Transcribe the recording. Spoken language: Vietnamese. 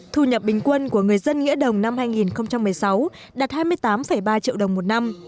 thu nhập bình quân của người dân nghĩa đồng năm hai nghìn một mươi sáu đạt hai mươi tám ba triệu đồng một năm